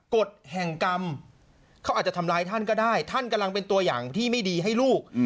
กฎแห่งกรรมเขาอาจจะทำร้ายท่านก็ได้ท่านกำลังเป็นตัวอย่างที่ไม่ดีให้ลูก